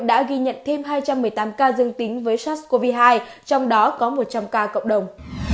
đã ghi nhận thêm hai trăm một mươi tám ca dương tính với sars cov hai trong đó có một trăm linh ca cộng đồng